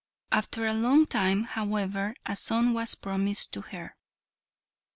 After a long time, however, a son was promised to her.